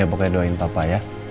ya pokoknya doain bapak ya